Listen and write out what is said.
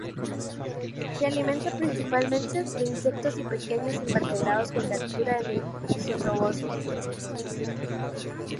Se alimenta principalmente de insectos y pequeños invertebrados, que captura en el sotobosque.